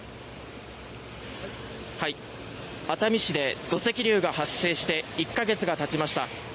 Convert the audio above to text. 熱海市で土石流が発生して１か月がたちました。